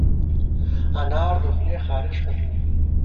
انار د خولې خارش ختموي.